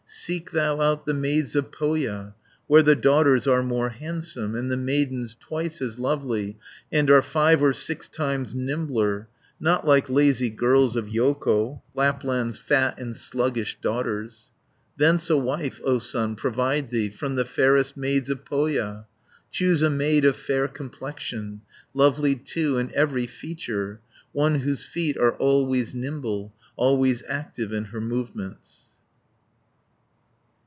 Seek thou out the maids of Pohja, 230 Where the daughters are more handsome, And the maidens twice as lovely, And are five or six times nimbler, Not like lazy girls of Jouko, Lapland's fat and sluggish daughters. "Thence a wife, O son, provide thee, From the fairest maids of Pohja; Choose a maid of fair complexion, Lovely, too, in every feature, One whose feet are always nimble, 240 Always active in her movements."